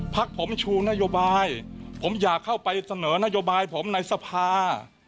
พักผมชูนโยบายผมอยากเข้าไปเสนอนโยบายผมในสภา